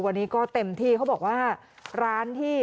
วันนี้ก็เต็มที่เขาบอกว่าร้านที่